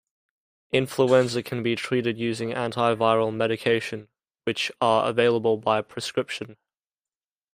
Influenza can be treated using antiviral medication, which are available by prescription.